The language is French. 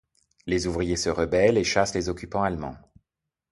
Les ouvriers se rebellent et chassent les occupants allemands...